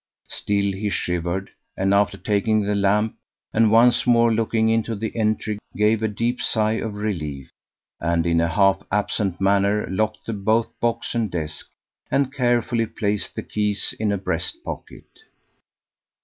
Still he shivered, and after taking the lamp and once more looking into the entry, gave a deep sigh of relief, and in a half absent manner locked both box and desk and carefully placed the keys in a breast pocket.